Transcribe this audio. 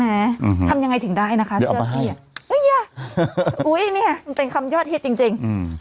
อืมทำยังไงถึงได้นะคะเสื้อพี่อ่ะอุ้ยเนี่ยมันเป็นคำยอดฮิตจริงจริงอืม